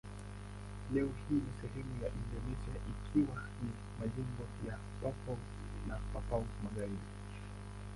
Leo hii ni sehemu ya Indonesia ikiwa ni majimbo ya Papua na Papua Magharibi.